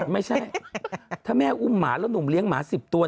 ไม่ใช่ถ้าแม่อุ้มหมาแล้วหนุ่มเลี้ยงหมา๑๐ตัว